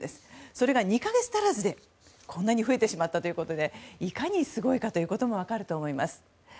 それが２か月足らずでこんなに増えてしまったということでいかにすごいかということも分かると思います。